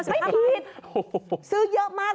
ไม่ผิดซื้อเยอะมาก